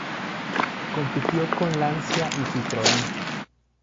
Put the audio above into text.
Compitió con Lancia y Citroën.